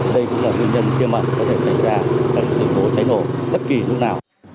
đây cũng là nguyên nhân tiêu mẩn có thể xảy ra sự cố cháy nổ bất kỳ lúc nào